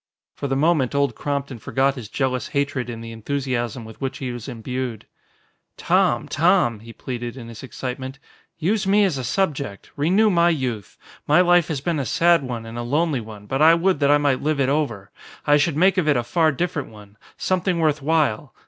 For the moment Old Crompton forgot his jealous hatred in the enthusiasm with which he was imbued. "Tom Tom," he pleaded in his excitement, "use me as a subject. Renew my youth. My life has been a sad one and a lonely one, but I would that I might live it over. I should make of it a far different one something worth while.